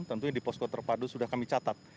tentunya di posko terpadu sudah kami catat